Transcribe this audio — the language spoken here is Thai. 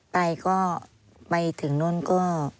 ไปก็ไปถึงนู่นก็